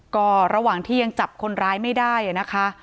ก็ระหว่างที่ยังจับคนร้ายไม่ได้นะคะ